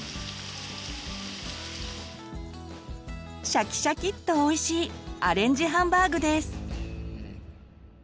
シャキシャキッとおいしいアレンジハンバーグです。